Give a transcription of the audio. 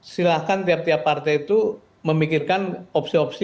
silahkan tiap tiap partai itu memikirkan opsi opsi